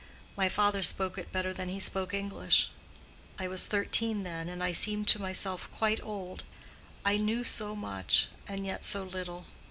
My father spoke it better than he spoke English. I was thirteen then, and I seemed to myself quite old—I knew so much, and yet so little.